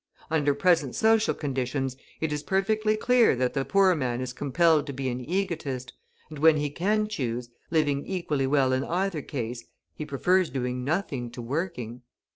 Under present social conditions it is perfectly clear that the poor man is compelled to be an egotist, and when he can choose, living equally well in either case, he prefers doing nothing to working.